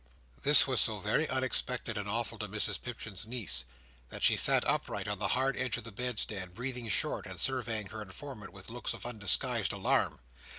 This was so very unexpected and awful to Mrs Pipchin's niece, that she sat upright on the hard edge of the bedstead, breathing short, and surveying her informant with looks of undisguised alarm.